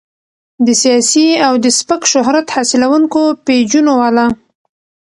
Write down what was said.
د سياسي او د سپک شهرت حاصلونکو پېجونو والا